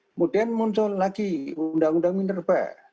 kemudian muncul lagi undang undang minerba